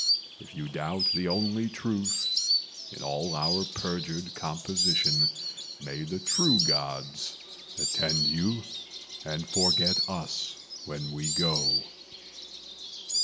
If you doubt the only truth in all our perjured composition, May the True Gods attend you and forget us when we go."